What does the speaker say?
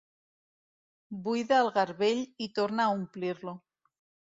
Buida el garbell i torna a omplir-lo.